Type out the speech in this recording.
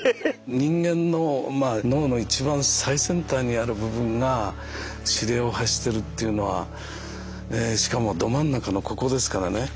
人間の脳の一番最先端にある部分が指令を発してるっていうのはしかもど真ん中のここですからね。